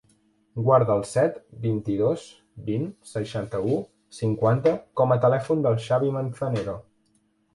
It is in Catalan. Guarda el set, vint-i-dos, vint, seixanta-u, cinquanta com a telèfon del Xavi Manzanero.